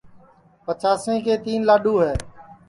پچاسیں کے تیں لاڈؔو ہے